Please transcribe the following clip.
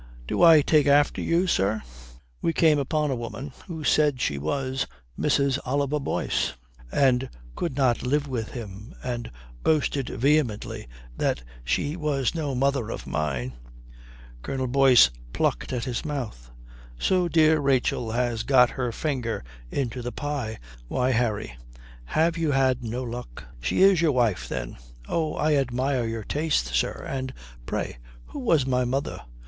"Do I take after you, sir? We came upon a woman who said she was Mrs. Oliver Boyce and could not live with him, and boasted vehemently that she was no mother of mine." Colonel Boyce plucked at his mouth. "So dear Rachel has got her finger into the pie. Why, Harry, you have had no luck." "She is your wife, then. Oh, I admire your taste, sir. And pray, who was my mother?"